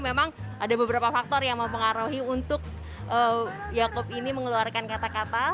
memang ada beberapa faktor yang mau pengaruhi untuk yaakub ini mengeluarkan kata kata